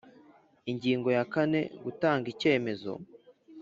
Ingingo ya kane Gutanga icyemezo